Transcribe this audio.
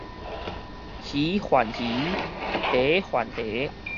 魚還魚，蝦還蝦